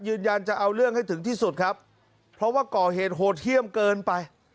ยืนยันจะเอาเรื่องให้ถึงที่สุดครับเพราะว่าก่อเหตุโหดเยี่ยมเกินไป